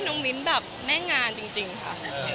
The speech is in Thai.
น้องมินแบบแม่งานจริงค่ะ